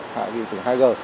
hạ thì xuồng hai g